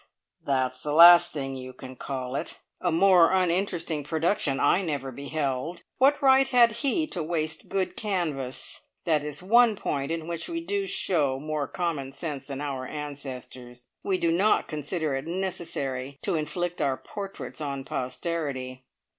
"That's the last thing you can call it! A more uninteresting production I never beheld. What right had he to waste good canvas? That is one point in which we do show more common sense than our ancestors. We do not consider it necessary to inflict our portraits on posterity."